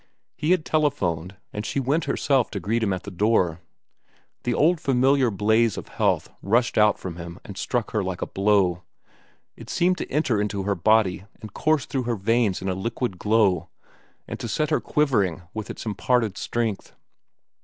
He had telephoned, and she went herself to greet him at the door. The old familiar blaze of health rushed out from him and struck her like a blow. It seemed to enter into her body and course through her veins in a liquid glow, and to set her quivering with its imparted strength.